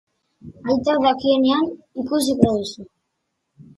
Aitak dakienean, ikusiko duzu.